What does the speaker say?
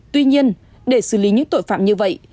tuy nhiên để xử lý những tội phạm như vậy